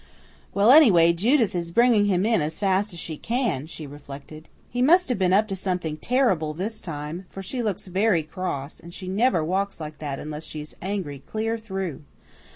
"Well, anyway, Judith is bringing him in as fast as she can," she reflected. "He must have been up to something terrible this time; for she looks very cross, and she never walks like that unless she is angry clear through.